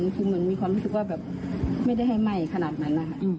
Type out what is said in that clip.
คือเหมือนมีความรู้สึกว่าแบบไม่ได้ให้ไหม้ขนาดนั้นนะคะ